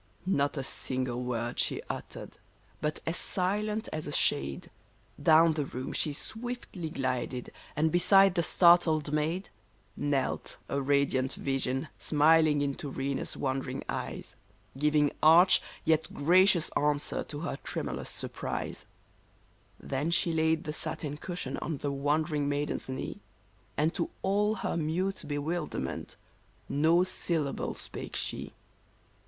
Not a single word she uttered ; but, as silent as a shade, Down the room she swiftly glided and beside the startled maid Knelt, a radiant vision, smiling into Rena's wondering eyes, Giving arch yet gracious answer to her tremulous surprise. REN A 155 Then she laid the satin cushion on the wondering maiden's knee, And to all her mute bewilderment, no syllable spake she.